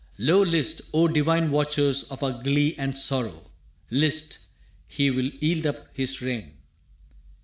Lo, list!, o divine watchers of our glee And sorrow!, list!, he will yield up his reign.